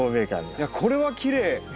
いやこれはきれい。